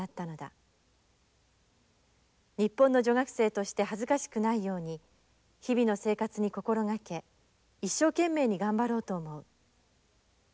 日本の女学生として恥ずかしくないように日々の生活に心がけ一生懸命に頑張ろうと思う」。